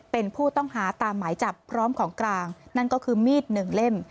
เป็นผู้ต้องหาตามหมายจับพร้อมของกลางนั่นก็คือมีดหนึ่งเล่ม